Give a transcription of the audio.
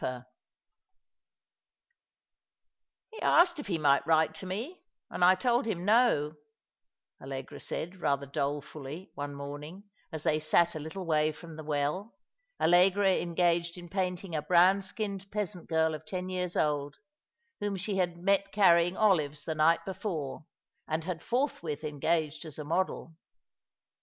232 All along the River, " He asked if he might write to me, and I told him no," Allegra said, rather dolefully, one morning, as they sat a little way from the well, Allegra engaged in painting a brown skinned peasant girl of ten years old, whom she had met carrying olives the night before, and had forthwith engaged as a model.